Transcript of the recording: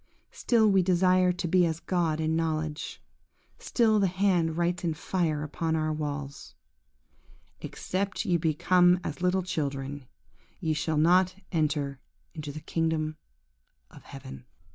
Still we desire to be as God in knowledge; still the hand writes in fire upon our walls, "Except ye become as little children, ye shall not enter into the kingdom of Heaven."